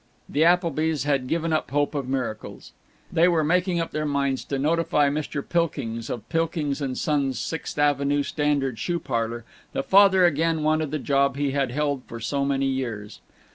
The Applebys had given up hope of miracles. They were making up their minds to notify Mr. Pilkings, of Pilkings & Son's Sixth Avenue Standard Shoe Parlor, that Father again wanted the job he had held for so many years.